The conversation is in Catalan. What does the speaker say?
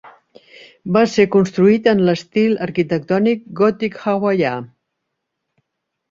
Va ser construït en l'estil arquitectònic gòtic hawaià.